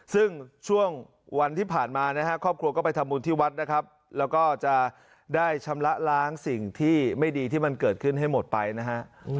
ซึ่งช่วงวันที่ผ่านมานะฮะครอบครัวก็ไปทำบุญที่วัดนะครับแล้วก็จะได้ชำระล้างสิ่งที่ไม่ดีที่มันเกิดขึ้นให้หมดไปนะฮะ